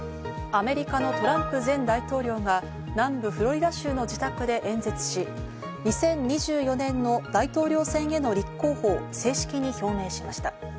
アメリカのトランプ前大統領が南部フロリダ州の自宅で演説し、２０２４年の大統領選の立候補を正式に表明しました。